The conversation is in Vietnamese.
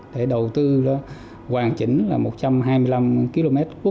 để đầu tư hoàn chỉnh mục tiêu